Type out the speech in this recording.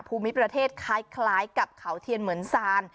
ภูมิประเทศคล้ายกับเขาเทียนเหมือนซาน